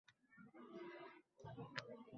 Simptomlarning yo‘qolishi kasallik o‘tdi, degani emas